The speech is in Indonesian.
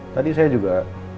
tadi saya juga